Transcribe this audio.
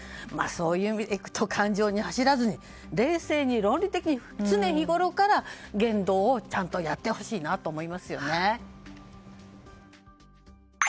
そういう意味で感情に走らずに冷静に論理的に常日頃から言論をちゃんとやってほしいと思います。